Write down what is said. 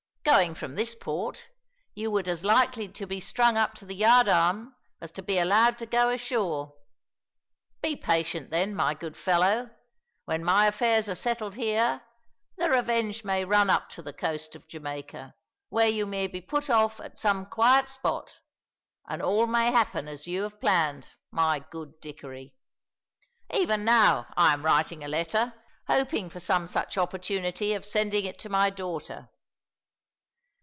Going from this port, you would be as likely to be strung up to the yard arm as to be allowed to go ashore. Be patient then, my good fellow; when my affairs are settled here, the Revenge may run up to the coast of Jamaica, where you may be put off at some quiet spot, and all may happen as you have planned, my good Dickory. Even now I am writing a letter, hoping for some such opportunity of sending it to my daughter."